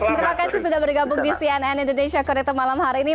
terima kasih sudah bergabung di cnn indonesia connected malam hari ini